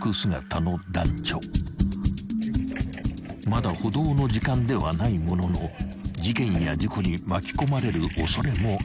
［まだ補導の時間ではないものの事件や事故に巻き込まれる恐れもある］